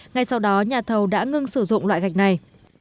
ngay sau đó nhà thầu đã ngưng sử dụng loại gạch này